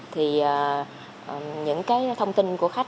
thì em phải cập nhật thông tin bằng ghi trú tức là biết tay